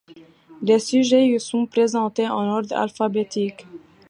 Les sujets y sont présentés en ordre alphabétique.